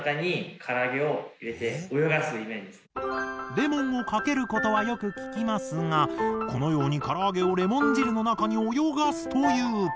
レモンをかけることはよく聞きますがこのようにから揚げをレモン汁の中に泳がすという。